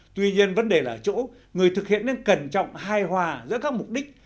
tuy nhiên vấn đề là ở chỗ người thực hiện nên cẩn trọng hài hòa giữa các mục đích